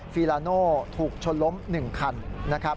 ฟีลาโนถูกชนล้ม๑คัน